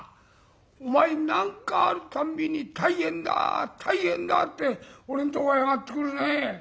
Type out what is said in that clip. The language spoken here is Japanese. お前何かあるたんびに大変だ大変だって俺んとこへ上がってくるね。